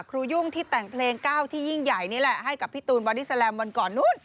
ยุ่งที่แต่งเพลงก้าวที่ยิ่งใหญ่นี่แหละให้กับพี่ตูนบอดี้แลมวันก่อนนู้น